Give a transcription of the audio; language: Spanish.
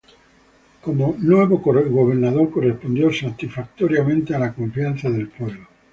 Como nuevo gobernador correspondió satisfactoriamente a la confianza del pueblo.